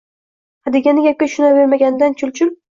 Hadeganda gapga tushunavermaganidan chulchul